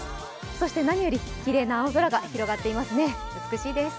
そして何よりきれいな青空が広がっていますね、美しいです。